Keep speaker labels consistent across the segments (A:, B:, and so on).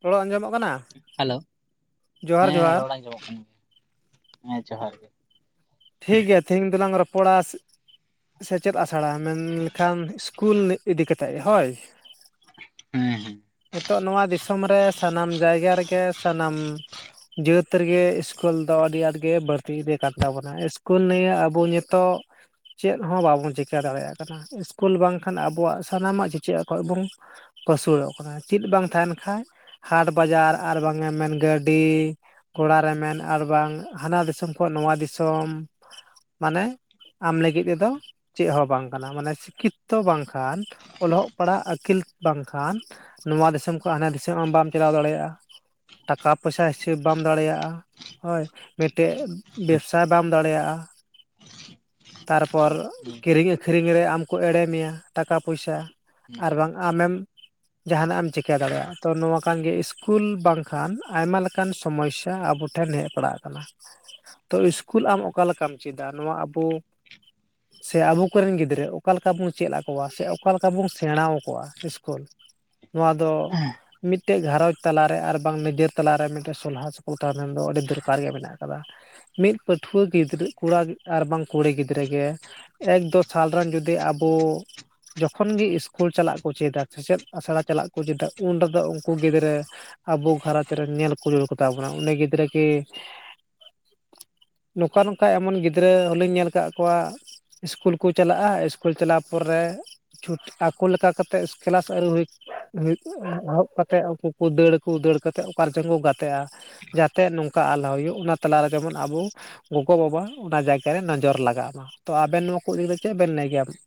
A: ᱛᱷᱚᱲᱟ ᱟᱸᱡᱚᱢᱚᱜ ᱠᱟᱱᱟ?
B: ᱦᱮᱞᱳ
A: ᱡᱚᱦᱟᱨ
B: ᱾ᱦᱮᱸ
A: ᱡᱚᱦᱟᱨ
B: ᱨᱚᱲᱟ ᱟᱸᱡᱚᱢᱚᱜ ᱠᱟᱱᱟ᱾ ᱦᱮᱸ ᱡᱚᱦᱟᱨ ᱜᱮ
A: ᱴᱷᱤᱠ ᱜᱮᱭᱟ ᱛᱤᱦᱤᱧᱸ ᱫᱚᱞᱟᱝ ᱨᱚᱯᱚᱲᱟ ᱥᱮᱪᱮᱫ ᱟᱥᱲᱟᱸ ᱢᱮᱱᱞᱠᱷᱟᱱ ᱤᱥᱠᱩᱞ ᱤᱫᱤ ᱠᱟᱛᱮᱫ ᱦᱳᱭ᱾
B: ᱦᱮᱸ ᱦᱮᱸ
A: ᱦᱤᱛᱚᱜ ᱱᱚᱣᱟ ᱫᱤᱥᱚᱢ ᱨᱮ, ᱥᱟᱱᱟᱢ ᱡᱟᱭᱜᱟ ᱨᱮ ᱜᱮ ᱥᱟᱱᱟᱢ ᱡᱟᱹᱛ ᱨᱮ ᱜᱮ ᱥᱠᱩᱞ ᱫᱚ ᱟᱹᱰᱤ ᱟᱸᱴ ᱜᱮ, ᱵᱟᱹᱲᱛᱤ ᱤᱫᱤ ᱠᱟᱱ ᱛᱟᱵᱚᱱᱟ᱾ ᱚᱱᱟ ᱥᱠᱩᱞ ᱱᱤᱭᱟᱹᱮ ᱟᱵᱚ ᱱᱤᱛᱚᱜ ᱪᱮᱫ ᱦᱚᱸ ᱵᱟᱵᱚᱱ ᱪᱤᱠᱟᱹ ᱫᱟᱲᱮᱭᱟᱼᱜ ᱠᱟᱱᱟ ᱾ ᱥᱠᱩᱞ ᱵᱟᱝᱠᱷᱟᱱ ᱟᱵᱚ ᱥᱟᱱᱟᱢᱟᱜ [unintelligible] ᱯᱷᱟᱥᱲᱚᱜ ᱠᱟᱱᱟ ᱾ᱪᱮᱫ ᱵᱟᱝ ᱛᱟᱦᱮᱱ ᱠᱷᱟᱡ ᱦᱟᱴ ᱵᱟᱡᱟᱨ ᱟᱨ ᱵᱟᱝᱮᱢ ᱢᱮᱱ ᱜᱟᱹᱰᱤ ᱠᱚᱲᱟᱨ ᱨᱮ ᱢᱮᱱ ᱟᱨ ᱵᱟᱝ ᱦᱟᱱᱟ ᱫᱤᱥᱚᱢ ᱠᱷᱚᱱ ᱱᱚᱣᱟ ᱫᱤᱥᱚᱢ ᱾ ᱢᱟᱱᱮ ᱟᱢ ᱞᱟᱹᱜᱤᱫ ᱛᱮ ᱫᱚ ᱪᱮᱫ ᱦᱚᱸ ᱵᱟᱝ ᱠᱟᱱᱟ᱾ ᱢᱟᱱᱮ ᱥᱤᱠᱠᱷᱤᱛᱛᱚ ᱵᱟᱝᱠᱷᱟᱱ᱾ ᱚᱞᱚᱜ, ᱯᱟᱲᱦᱟᱜ, ᱟᱹᱠᱤᱞ ᱵᱟᱝᱠᱷᱟᱱ ᱱᱚᱣᱟ ᱫᱤᱥᱚᱢ ᱠᱷᱚᱱ, ᱦᱟᱱᱟ ᱫᱤᱥᱚᱢ ᱟᱢ ᱵᱟᱢ ᱪᱟᱞᱟᱣ ᱫᱟᱲᱮᱭᱟᱜᱼᱟ᱾ ᱴᱟᱠᱟ, ᱯᱚᱭᱥᱟᱹ ᱦᱤᱥᱟᱹᱵᱽ ᱵᱟᱢ ᱫᱟᱲᱮᱭᱟᱜᱼᱟ᱾ ᱦᱳᱭ ᱵᱮᱴᱮ ᱥᱟᱭ ᱵᱟᱢ ᱫᱟᱲᱮᱭᱟᱜᱼᱟ᱾ ᱛᱟᱨᱯᱚᱨ ᱠᱤᱨᱤᱝ ᱟᱹᱠᱷᱨᱤᱝ ᱨᱮ, ᱟᱢ ᱠᱚ ᱮᱲᱮ ᱢᱮᱭᱟ᱾ ᱴᱟᱠᱟ, ᱯᱚᱭᱥᱟ
B: ᱦᱮᱸ
A: ᱟᱨ ᱵᱟᱝ ᱟᱢᱮᱢ ᱡᱟᱦᱟᱱᱟ-ᱜ ᱮᱢ ᱪᱤᱠᱟᱹ ᱫᱟᱲᱮᱭᱟᱜᱼᱟ᱾ ᱛᱚ ᱱᱚᱣᱟ ᱠᱟᱱ ᱜᱮ ᱥᱠᱩᱞ ᱵᱟᱝᱠᱷᱟᱱ᱾ ᱟᱭᱢᱟ ᱞᱮᱠᱟᱱ ᱥᱚᱢᱚᱥᱥᱟ ᱟᱵᱚ ᱴᱷᱮᱱ ᱦᱮᱡ ᱵᱟᱲᱟ ᱠᱟᱱᱟ᱾ ᱛᱚ ᱥᱠᱩᱞ ᱟᱢ ᱚᱠᱟ ᱞᱮᱠᱟᱢ ᱪᱮᱫᱟ᱾ ᱱᱚᱣᱟ ᱟᱵᱚ ᱥᱮ ᱟᱵᱚ ᱠᱚᱨᱮᱱ ᱜᱤᱫᱽᱨᱟᱹ ᱚᱠᱟ ᱞᱮᱠᱟ ᱵᱩᱱ ᱪᱮᱫ ᱟ-ᱠᱚᱣᱟ ᱾ᱥᱮ ᱚᱠᱟ ᱞᱮᱠᱟ ᱵᱩᱱ ᱥᱮᱬᱟᱸᱣᱟ᱾ ᱠᱚᱣᱟ ᱥᱠᱩᱞ ᱱᱚᱣᱟ ᱫᱚ ᱢᱤᱫ ᱢᱤᱫᱴᱮᱱ ᱜᱷᱟᱨᱚᱸᱡᱽ ᱛᱟᱞᱟᱨᱮ ᱟᱨ, ᱵᱟᱝ ᱱᱤᱡᱮᱨ ᱛᱟᱞᱞᱟ ᱨᱮ ᱢᱤᱫᱴᱮᱱ ᱥᱚᱞᱦᱟ ᱥᱚᱯᱚᱞ ᱛᱟᱦᱮᱱ ᱫᱚ ᱟᱹᱰᱤ ᱫᱚᱨᱠᱟᱨ ᱜᱮ ᱢᱮᱱᱟᱜ ᱠᱟᱫᱟ᱾ ᱢᱤᱫ ᱯᱟᱹᱴᱷᱩᱣᱟᱹ ᱜᱤᱫᱽᱨᱟᱹ ᱠᱚᱲᱟ, ᱟᱨ ᱵᱟᱝ ᱠᱩᱲᱤ ᱜᱤᱫᱽᱨᱟᱹ ᱜᱮ ᱮᱠᱫᱳ ᱥᱟᱞ ᱨᱮᱱ ᱡᱩᱫᱤ ᱟᱵᱚ ᱡᱚᱠᱷᱚᱱ ᱜᱮ ᱤᱥᱠᱩᱞ ᱪᱟᱞᱟᱜ ᱠᱚ ᱪᱮᱫᱟ᱾ ᱥᱮᱪᱮᱫ ᱟᱥᱲᱟ ᱪᱟᱞᱟᱜ ᱠᱚ ᱪᱮᱫᱟ᱾ ᱩᱱ ᱨᱮᱫᱚ ᱩᱱᱠᱩ ᱜᱤᱫᱽᱨᱟᱹ ᱟᱵᱚ ᱜᱷᱟᱸᱷᱟᱨᱚᱸᱡᱽ ᱨᱮᱱ ᱧᱮᱞ ᱠᱚ, ᱦᱟᱨᱟ ᱠᱚᱛᱟ ᱵᱚᱱᱟ ᱩᱱᱤ ᱜᱤᱫᱽᱨᱟᱹ ᱠᱤ ᱱᱚᱝᱠᱟ, ᱱᱚᱝᱠᱟ ᱮᱢᱚᱱ ᱜᱤᱫᱽᱨᱟᱹ ᱦᱚᱸᱞᱤᱧ ᱧᱮᱞ ᱟᱠᱟᱫ ᱠᱚᱣᱟ᱾ ᱤᱥᱠᱩᱞ ᱠᱚ ᱪᱟᱞᱟᱜ-ᱟ᱾ ᱠᱩᱞ ᱪᱟᱞᱟᱣ ᱛᱟᱨᱯᱚᱨᱮ ᱪᱷᱩᱸᱴᱤ ᱟᱠᱚ ᱞᱮᱠᱟ ᱠᱟᱛᱮᱫ ᱠᱮᱞᱟᱥ ᱟᱹᱣᱨᱤ ᱦᱩᱭ ᱮᱦᱚᱵ ᱠᱟ ᱠᱟᱛᱮᱫ ᱩᱱᱠᱩ ᱠᱚ ᱫᱟᱹᱲ ᱟᱠ ᱠᱚ᱾ ᱫᱟᱹᱲ ᱠᱟ ᱠᱟᱛᱮᱫ ᱚᱠᱟᱨᱮ ᱡᱚᱝ ᱠᱚ ᱜᱟᱛᱮᱜ-ᱟ᱾ ᱡᱟᱛᱮ ᱱᱚᱝᱠᱟ ᱟᱞ ᱦᱩᱭᱩᱜ ᱾ᱚᱱᱟ ᱛᱟᱞᱟᱨᱮ ᱡᱮᱢᱚᱱ ᱟᱵᱩ ᱜᱚᱜᱚᱼᱵᱟᱵᱟ ᱚᱱᱟ ᱡᱟᱭᱜᱟᱨ ᱨᱮ, ᱱᱳᱡᱚᱨ ᱞᱟᱜᱟᱜ ᱢᱟ᱾ ᱛᱚ ᱟᱵᱮᱱ ᱱᱚᱣᱟ ᱠᱚ ᱤᱫᱤ ᱫᱚ ᱪᱮᱫ ᱵᱮᱱ ᱞᱟᱹᱭ ᱜᱮᱭᱟ᱾ ᱵᱮᱱ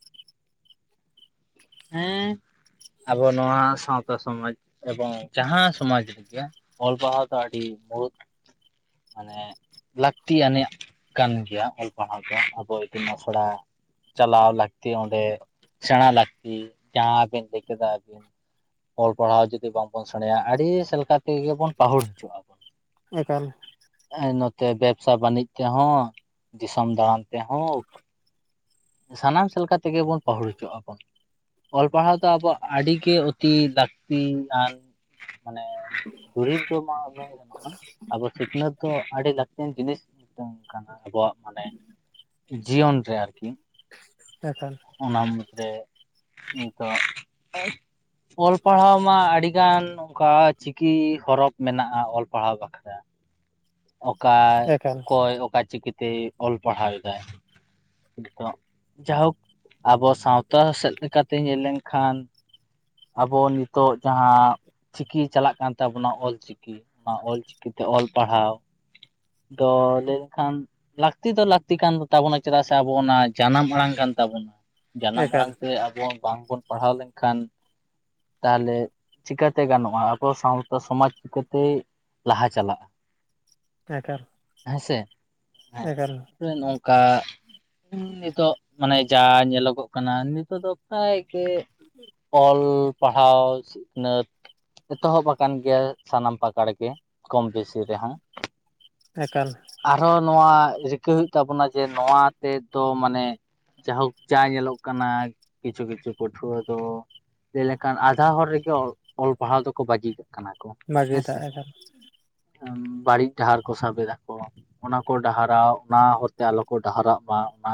B: ᱦᱮᱸ ᱟᱵᱚ ᱱᱚᱣᱟ ᱥᱟᱶᱛᱟ ᱥᱚᱢᱟᱡᱽ ᱮᱵᱚᱝ ᱡᱟᱦᱟᱸ ᱥᱚᱢᱟᱡ ᱨᱮᱜᱮ ᱾ᱚᱞ ᱯᱟᱲᱦᱟ-ᱣ ᱫᱚ ᱟᱹᱰᱤ ᱢᱩᱲᱩᱫ ᱢᱟᱱᱮ ᱞᱟᱹᱠᱛᱤᱭᱱᱟᱜᱤᱡ ᱠᱟᱱ ᱜᱮᱭᱟ ᱾ᱚᱞ ᱯᱟᱲᱦᱟᱣ ᱫᱚ ᱟᱵᱚ ᱛᱤ ᱟᱥᱲᱟ᱾ ᱪᱟᱞᱟᱣ ᱞᱟᱹᱠᱛᱤ, ᱚᱸᱰᱮ ᱥᱮᱬᱟᱸ ᱞᱟᱹᱠᱛᱤ ᱾ ᱡᱟᱦᱟᱸᱵᱤᱱ ᱞᱟᱹᱭ ᱠᱮᱫᱟᱵᱤᱱ᱾ ᱚᱞ ᱯᱟᱲᱦᱟᱣ ᱡᱩᱫᱤ ᱵᱟᱝᱵᱚᱱ ᱥᱮᱬᱟᱭᱟ ᱟᱹᱰᱤ ᱥᱮᱫ ᱞᱮᱠᱟ ᱛᱮᱜᱮ ᱵᱚᱱ ᱯᱟᱹᱦᱩᱲ ᱦᱚᱪᱚᱜᱼᱟ ᱵᱚᱱ᱾
A: ᱮᱠᱟᱞ᱾
B: ᱮᱸ ᱱᱚᱛᱮ ᱵᱮᱵᱥᱟ ᱵᱟᱹᱱᱤᱡ ᱛᱮᱦᱚᱸ, ᱫᱤᱥᱚᱢ ᱫᱟᱬᱟᱱ ᱛᱮᱦᱳᱠ ᱥᱟᱱᱟᱢ ᱥᱮᱫ ᱞᱮᱠᱟ ᱛᱮᱜᱮ ᱵᱚᱱ ᱯᱟᱹᱦᱩᱲ ᱦᱚᱪᱚ ᱟᱵᱚᱱ᱾ ᱚᱞ ᱯᱟᱲᱦᱟᱣ ᱫᱚ ᱟᱵᱚᱣᱟᱜ ᱟᱹᱰᱤ ᱜᱮ ᱚᱛᱤ ᱞᱟᱹᱠᱛᱤ ᱱᱟᱱ ᱢᱟᱱᱮ ᱫᱩᱨᱤᱵᱽ ᱫᱚ ᱢᱟ ᱩᱱᱟᱹᱜ ᱜᱮ ᱜᱟᱱᱚᱜ ᱢᱟ ᱟᱵᱚ ᱥᱤᱠᱷᱱᱟᱹᱛ ᱛᱚ ᱟᱹᱰᱤ ᱞᱟᱹᱠᱛᱤᱭᱟᱱ ᱡᱤᱱᱤᱥ ᱢᱤᱫᱴᱝ ᱠᱟᱱᱟ ᱟᱵᱚᱣᱟᱜ ᱢᱟᱱᱮ ᱡᱤᱭᱚᱱ ᱨᱮ ᱟᱨᱠᱤ᱾
A: ᱮᱠᱟᱞ᱾
B: ᱚᱱᱟ ᱢᱩᱫᱽᱨᱮ ᱱᱤᱛᱚᱜ ᱚᱞ ᱯᱟᱲᱦᱟᱣ ᱢᱟ ᱟᱹᱰᱤᱜᱟᱱ ᱚᱱᱠᱟ ᱪᱤᱠᱤ ᱦᱚᱨᱚᱯ ᱢᱮᱱᱟᱜᱼᱟ ᱚᱞ ᱯᱟᱲᱦᱟᱣ ᱵᱟᱠᱷᱨᱟ᱾ ᱚᱠᱟ
A: ᱮᱠᱟᱞ
B: ᱚᱠᱚᱭ ᱚᱠᱟ ᱪᱤᱠᱤᱛᱮᱭ ᱚᱞ ᱯᱟᱲᱦᱟᱣᱮᱫᱟᱭ᱾ ᱱᱤᱛᱚᱜ ᱡᱟᱭᱦᱳᱠ, ᱟᱵᱚ ᱥᱟᱶᱛᱟ ᱥᱮᱫ ᱞᱮᱠᱟᱛᱮ ᱧᱮᱞ ᱞᱮᱱᱠᱷᱟᱱ ᱟᱵᱚ ᱱᱤᱛᱚᱜ ᱡᱟᱦᱟᱸ ᱪᱤᱠᱤ ᱪᱟᱞᱟᱜ ᱠᱟᱱ ᱛᱟᱵᱚᱱᱟ ᱚᱞ ᱪᱤᱠᱤ, ᱪᱤᱠᱤ ᱚᱱᱟ ᱚᱞᱪᱤᱠᱤᱛᱮ ᱚᱞ ᱯᱟᱲᱦᱟᱣ ᱫᱚ ᱞᱮᱱᱠᱷᱟᱱ ᱞᱟᱹᱠᱛᱤ ᱫᱚ ᱞᱟᱹᱠᱛᱤ ᱠᱟᱱ ᱛᱟᱵᱚᱱᱟ ᱪᱮᱫᱟᱜ ᱥᱮ ᱟᱵᱚ ᱚᱱᱟ ᱡᱟᱱᱟᱢ ᱟᱲᱟᱝ ᱠᱟᱱ ᱛᱟᱵᱚᱱᱟ᱾ ᱡᱟᱱᱟᱢ
A: ᱮᱠᱟᱞ
B: ᱢᱟᱲᱟᱝ ᱛᱮ ᱟᱵᱚ ᱵᱟᱝ ᱵᱚᱱ ᱯᱟᱲᱦᱟᱣ ᱞᱮᱱᱠᱷᱟᱱ ᱛᱟᱦᱚᱞᱮ ᱪᱤᱠᱟᱹᱛᱮ ᱜᱟᱱᱚᱜ-ᱟ ᱟᱵᱚ ᱥᱟᱶᱛᱟ ᱥᱚᱢᱟᱡᱽ ᱪᱤᱠᱟᱹᱛᱮᱭ ᱞᱟᱦᱟ ᱪᱟᱞᱟᱭᱟ᱾
A: ᱮᱠᱟᱞ᱾
B: ᱦᱮᱸ ᱥᱮ?
A: ᱮᱠᱟᱞ᱾
B: ᱟᱵᱚᱨᱮᱱ ᱚᱱᱠᱟ ᱱᱤᱛᱚᱜ ᱢᱟᱱᱮ ᱡᱟ ᱧᱮᱞᱚᱜᱚᱜ ᱠᱟᱱᱟ ᱱᱤᱛᱚᱜ ᱫᱚ ᱯᱮᱨᱟᱭ ᱜᱮ ᱚᱞ ᱯᱟᱲᱦᱟᱣ ᱥᱤᱠᱷᱱᱟᱹᱛ ᱮᱛᱚᱦᱚᱵ ᱟᱠᱟᱱ ᱜᱮᱭᱟ ᱥᱟᱱᱟᱢ ᱯᱟᱠᱟᱲ ᱜᱮ ᱠᱚᱢ ᱵᱮᱥᱤ ᱨᱮᱦᱟᱸ᱾
A: ᱮᱠᱟᱞ᱾
B: ᱟᱨᱦᱚᱸ ᱱᱚᱣᱟ ᱨᱤᱠᱟᱹ ᱦᱩᱭᱩᱜ ᱛᱟᱵᱚᱱᱟ ᱡᱮ ᱱᱚᱣᱟ ᱛᱮᱫᱚ ᱢᱟᱱᱮ ᱡᱟᱭᱦᱳᱠ ᱪᱟ ᱧᱮᱞᱚᱜ ᱠᱟᱱᱟ ᱠᱤᱪᱷᱩ ᱠᱤᱪᱷᱩ ᱯᱟᱹᱴᱷᱩᱣᱟᱹ ᱫᱚ ᱡᱮᱞᱮᱠᱷᱟᱱ ᱟᱫᱷᱟ ᱦᱚᱨ ᱨᱮᱜᱮ ᱚᱞ ᱯᱟᱲᱦᱟᱣ ᱫᱚᱠᱚ ᱵᱟᱹᱜᱤ ᱠᱟᱜ ᱠᱟᱱᱟ ᱠᱚ᱾
A: ᱵᱷᱟᱜᱮ
B: ᱦᱮᱸᱥᱮ
A: ᱫᱟᱜ ᱮᱫᱟ᱾
B: ᱵᱟᱹᱲᱤᱡ ᱰᱟᱦᱟᱨ ᱠᱚ ᱥᱟᱵ ᱮᱫᱟᱠᱚ᱾ ᱚᱱᱟ ᱠᱚ ᱰᱟᱦᱟᱨᱟᱣ ᱚᱱᱟ ᱦᱚᱨᱛᱮ ᱟᱞᱚ ᱠᱚ ᱰᱟᱦᱟᱨᱟᱜ ᱢᱟ ᱚᱱᱟ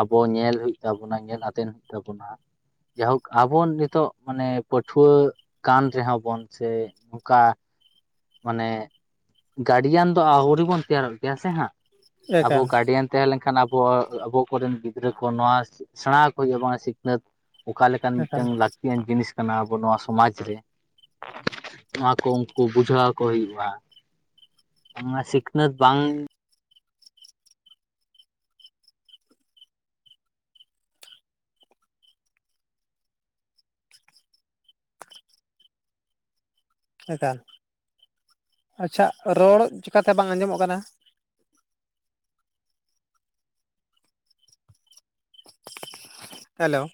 B: ᱟᱵᱚ ᱧᱮᱞ ᱦᱩᱭᱩᱜ ᱛᱟᱵᱚᱱᱟ ᱧᱮᱞ ᱟᱛᱮᱱ ᱦᱩᱭᱩᱜ ᱛᱟᱵᱚᱱᱟ᱾ ᱡᱟᱭᱦᱳᱠ ᱟᱵᱚ ᱱᱤᱛᱚᱜ ᱢᱟᱱᱮ ᱯᱟᱹᱴᱷᱩᱣᱟᱹ ᱠᱟᱱ ᱨᱮᱦᱚᱸ ᱵᱚᱱ ᱥᱮ ᱚᱱᱠᱟ, ᱢᱟᱱᱮ ᱜᱟᱹᱰᱤᱭᱟᱱ ᱫᱚ ᱟᱹᱣᱨᱤᱵᱚᱱ ᱛᱮᱭᱟᱨᱚᱜ ᱜᱮᱭᱟ ᱥᱮ ᱦᱟᱸᱜ, ᱟᱵᱚ
A: ᱮᱠᱟᱞ
B: ᱜᱟᱹᱰᱤᱭᱟᱱ ᱛᱮᱭᱟᱨ ᱞᱮᱱᱠᱷᱟᱱ ᱟᱵᱚ ᱟᱵᱚ ᱠᱚᱨᱮᱱ ᱜᱤᱫᱽᱨᱟᱹ ᱠᱚ ᱱᱚᱣᱟ ᱥᱮᱬᱟ ᱟᱠᱚ ᱦᱩᱭᱩᱜ-ᱟ ᱵᱟᱝᱟ ᱥᱤᱠᱷᱱᱟᱹᱛ ᱚᱠᱟ ᱞᱮᱠᱟᱱ
A: ᱮᱠᱟᱞ
B: ᱢᱤᱫᱴᱟᱝ ᱞᱟᱹᱠᱛᱤᱭᱟᱱ ᱡᱤᱱᱤᱥ ᱠᱟᱱᱟ ᱟᱵᱚ ᱱᱚᱣᱟ ᱥᱚᱢᱟᱡ ᱨᱮ, ᱱᱚᱣᱟ ᱠᱚ ᱩᱱᱠᱩ ᱵᱩᱡᱷᱟᱹᱣᱟᱠᱚ ᱦᱩᱭᱩᱜᱼᱟ᱾ ᱚᱱᱟ ᱥᱤᱠᱷᱱᱟᱹᱛ ᱵᱟᱝ
A: ᱮᱠᱟᱞ, ᱟᱪᱪᱷᱟ ᱨᱚᱲ ᱪᱤᱠᱟᱛᱮ ᱵᱟᱝ ᱟᱸᱡᱚᱢᱚᱜ ᱠᱟᱱᱟ? ᱦᱮᱞᱳ᱾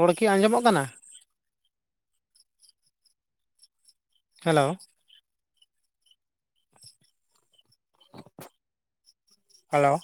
A: ᱨᱚᱲ ᱠᱤ ᱟᱸᱡᱚᱢᱚᱜ ᱠᱟᱱᱟ? ᱦᱮᱞᱳ᱾ ᱦᱮᱞᱳ᱾